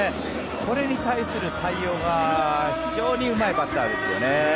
これに対する対応が非常にうまいバッターですよね。